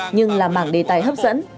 nhưng là mạng đề tài hấp dẫn